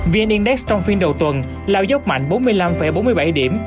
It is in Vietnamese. vn index trong phiên đầu tuần lao dốc mạnh bốn mươi năm bốn mươi bảy điểm